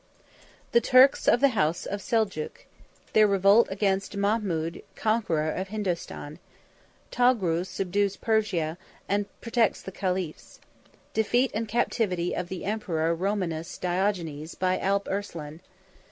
The Turks Of The House Of Seljuk.—Their Revolt Against Mahmud Conqueror Of Hindostan.—Togrul Subdues Persia, And Protects The Caliphs.—Defeat And Captivity Of The Emperor Romanus Diogenes By Alp Arslan.